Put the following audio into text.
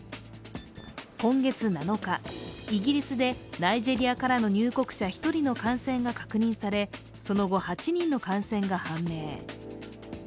今月７日、イギリスでナイジェリアからの入国者１人の感染が確認されその後、８人の感染が判明。